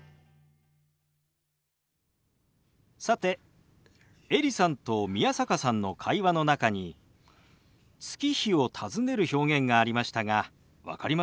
さてエリさんと宮坂さんの会話の中に月日を尋ねる表現がありましたが分かりましたか？